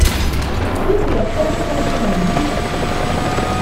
Who'd be a foot soldier in winter?